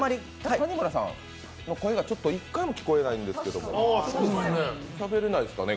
谷村さんの声が１回も聞こえないんですけど、しゃべれないんですかね。